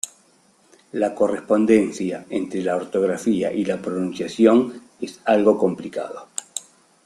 La correspondencia entre la ortografía y la pronunciación es algo complicado.